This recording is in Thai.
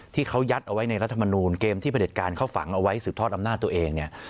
ที่เขายัดเอาไว้ในรัฐมนูลเกมที่ประเด็จการเขาฝังเอาไว้สืบทอดอำนาจตัวเองเนี่ย